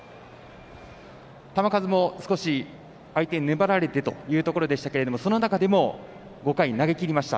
球数も少し相手に粘られてというところでしたがその中でも５回を投げきりました。